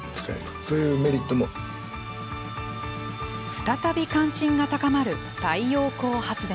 再び関心が高まる太陽光発電。